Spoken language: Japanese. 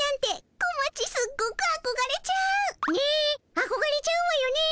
あこがれちゃうわよね。